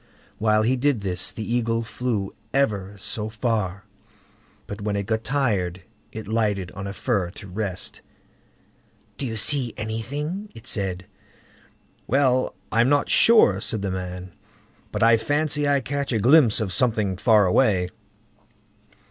While he did this, the Eagle flew ever so far, but when it got tired, it lighted on a fir to rest. "Do you see anything?" it said. "Well! I'm not sure", said the man; "but I fancy I catch a glimpse of something far away."